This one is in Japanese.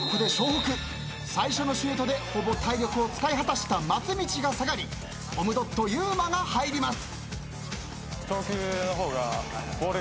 北最初のシュートでほぼ体力を使い果たした松道が下がりコムドットゆうまが入ります。